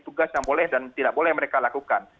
tugas yang boleh dan tidak boleh mereka lakukan